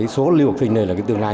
số lưu học sinh này là tương lai